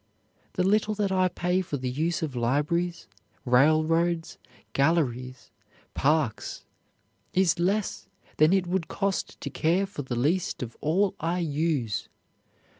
The little that I pay for the use of libraries, railroads, galleries, parks, is less than it would cost to care for the least of all I use.